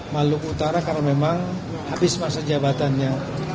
dari kemenkutara karena memang habis masa jabatannya